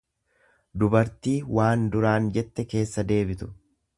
dubartii waan duraan jette keessa deebitu.